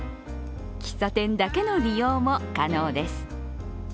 喫茶店だけの利用も可能です。